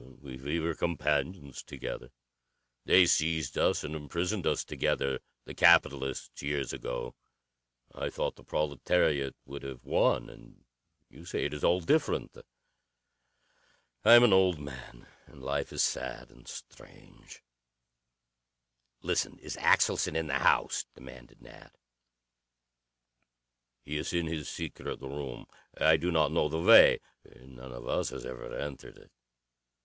"We were companions together. They seized us and imprisoned us together, the capitalists, years ago. I thought the proletariat would have won, and you say it is all different. I am an old man, and life is sad and strange." "Listen. Is Axelson in the house?" demanded Nat. "He is in his secret room. I do not know the way. None of us has ever entered it."